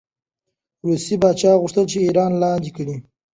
د روسیې پاچا غوښتل چې ایران لاندې کړي.